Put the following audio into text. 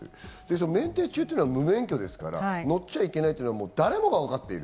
免停中っていうのは無免許ですから、乗っちゃいけないっていうのは誰もが分かってる。